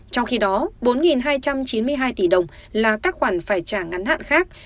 trong khi đó bốn hai trăm chín mươi hai tỷ đồng là các khoản phải trả ngắn hạn khác